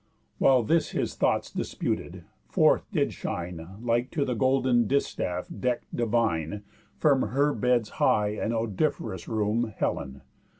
While this his thoughts disputed, forth did shine, Like to the golden distaff deck'd Divine, From her bed's high and odoriferous room, Helen.